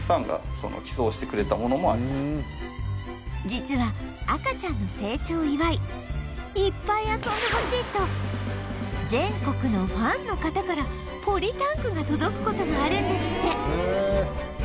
実は赤ちゃんの成長を祝いいっぱい遊んでほしいと全国のファンの方からポリタンクが届く事があるんですって